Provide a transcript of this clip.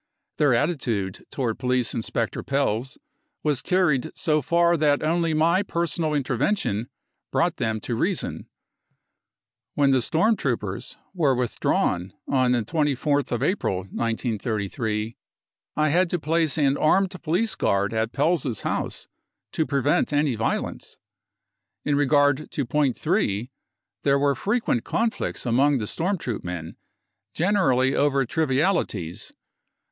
Their attitude to police inspector Pelz j' was carried so far that only my personal intervention I brought them to reason. When the storm troopers were * withdrawn on 24.4.1933 I had to place an armed police guard at Pelz's house to prevent any violence. In regard to point 3 : there were frequent conflicts among the storm troop men, generally over trivialities